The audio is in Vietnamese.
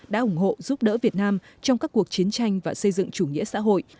đã ủng hộ giúp đỡ việt nam trong các cuộc chiến tranh và xây dựng chủ nghĩa xã hội